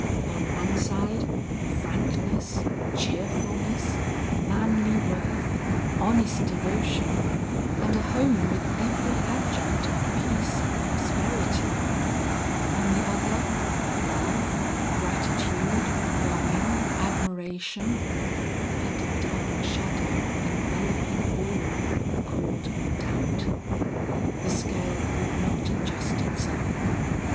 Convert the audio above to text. On one side, frankness, cheerfulness, manly worth, honest devotion, and a home with every adjunct of peace and prosperity; on the other, love, gratitude, longing, admiration, and a dark shadow enveloping all, called doubt. The scale would not adjust itself.